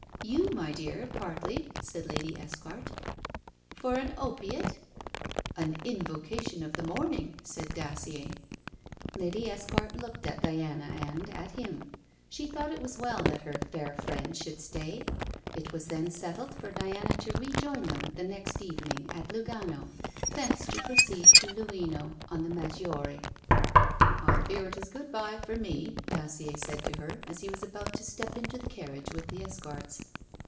'You, my dear, partly,' said Lady Esquart. 'For an opiate?' 'An invocation of the morning,' said Dacier. Lady Esquart looked at Diana and, at him. She thought it was well that her fair friend should stay. It was then settled for Diana to rejoin them the next evening at Lugano, thence to proceed to Luino on the Maggiore. 'I fear it is good bye for me,' Dacier said to her, as he was about to step into the carriage with the Esquarts.